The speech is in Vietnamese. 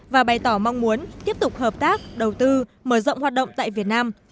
và bày tỏ mong muốn tiếp tục hợp tác đầu tư mở rộng hoạt động tại việt nam